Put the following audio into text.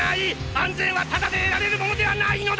安全はタダで得られるものではないのだ！！